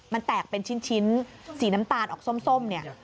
มันแตกเป็นชิ้นสีน้ำตาลออกส้มเนี่ย